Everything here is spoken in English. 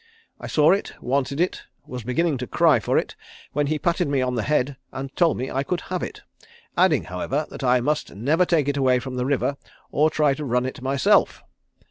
I saw it, wanted it, was beginning to cry for it, when he patted me on the head and told me I could have it, adding, however, that I must never take it away from the river or try to run it myself.